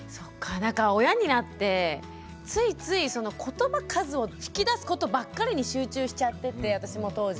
なんか親になってついついそのことば数を引き出すことばっかりに集中しちゃってて私も当時。